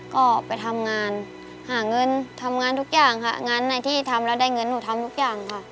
ก็ไปทำงานหาเงินทำงานทุกอย่างค่ะงานไหนที่ทำแล้วได้เงินหนูทำทุกอย่างค่ะ